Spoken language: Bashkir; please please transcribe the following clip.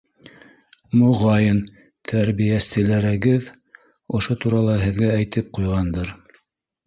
Моғайын, тәрбиәселәрегеҙ ошо турала һеҙгә әйтеп ҡуйғандыр.